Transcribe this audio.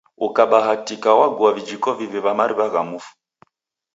Ukabahatika wagua vijiko viw'i va mariw'a gha mfu.